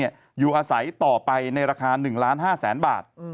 อยู่อาศัยต่อไปในราคา๑๕๐๐๐๐บาท